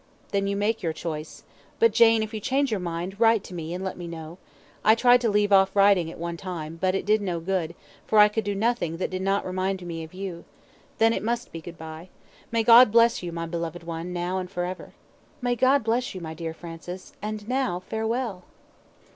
"Then you make your choice; but Jane, if you change your mind, write to me, and let me know. I tried to leave off writing at one time; but it did no good, for I could do nothing that did not remind me of you. Then it must be good bye. May God bless you, my beloved one, now and for ever!" "May God bless you, my dear Francis, and now farewell!"